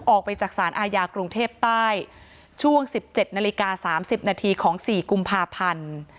ออกไปจากสารอาญากรุงเทพใต้ช่วง๑๗นาฬิกา๓๐นาทีของ๔กุมภาพันธ์